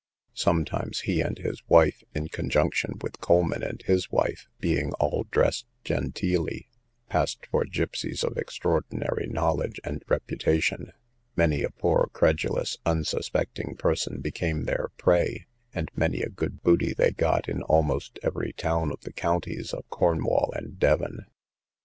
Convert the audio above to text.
Sometimes he and his wife, in conjunction with Coleman and his wife, being all dressed genteelly, passed for gipseys of extraordinary knowledge and reputation: many a poor credulous unsuspecting person became their prey, and many a good booty they got in almost every town of the counties of Cornwall and Devon.